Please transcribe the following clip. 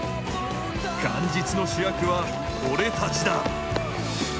元日の主役は俺たちだ。